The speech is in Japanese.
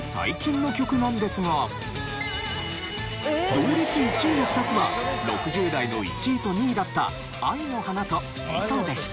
同率１位の２つは６０代の１位と２位だった『愛の花』と『糸』でした。